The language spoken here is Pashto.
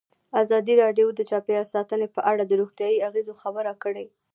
ازادي راډیو د چاپیریال ساتنه په اړه د روغتیایي اغېزو خبره کړې.